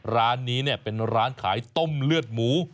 ร้านนี้เป็นร้านขายต้มเลือดหมู